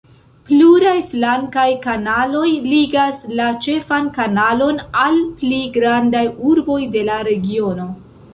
Pluraj flankaj kanaloj ligas la ĉefan kanalon al pli grandaj urboj de la regiono.